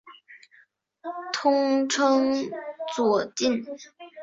通称左近。